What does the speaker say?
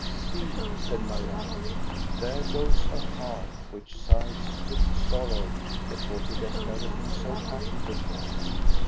" See," said Marianne, " there goes a heart which sighs with sorrow, because it has never been so happy before."